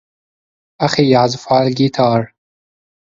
أخي يعزف على الغيتار.